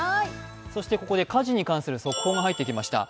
ここで火事に関する速報が入ってきました。